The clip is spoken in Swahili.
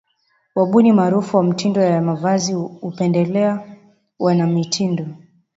Wabuni maarufu wa mitindo ya mavazi hupendelea wanamitindo